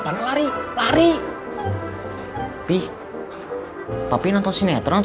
kalau terjadi apa apa sama anakku